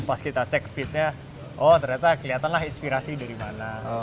pas kita cek feednya oh ternyata kelihatanlah inspirasi dari mana